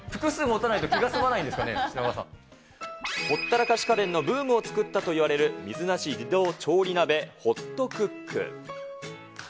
ほったらかし家電のブームを作ったといわれる、水無自動調理鍋ホットクック。